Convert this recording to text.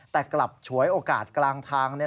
แต่กลับฉวยโอกาสกลางทาง